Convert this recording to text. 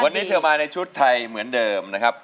วันนี้เธอมาในชุดไทยเหมือนเดิมนะครับ